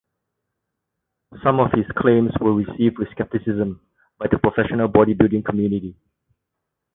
Some of his claims were received with skepticism by the professional bodybuilding community.